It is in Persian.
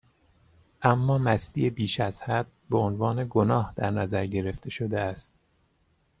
اما مستی بیشازحد، بهعنوان گناه در نظر گرفته شده است